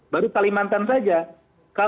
baru kalimantan saja